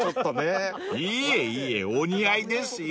［いえいえお似合いですよ］